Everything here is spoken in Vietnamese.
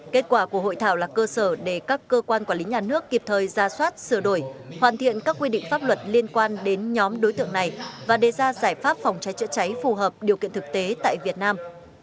kết quả của hội thảo là cơ sở để các cơ quan quản lý nhà nước kịp thời ra soát sửa đổi hoàn thiện các quy định pháp luật liên quan đến nhóm đối tượng này và đề ra giải pháp phòng cháy chữa cháy phù hợp điều kiện thực tế tại việt nam